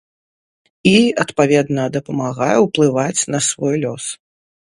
І, адпаведна, дапамагае ўплываць на свой лёс.